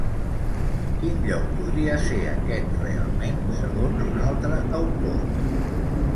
Quin lloc podria ser aquest realment, segons un altre autor?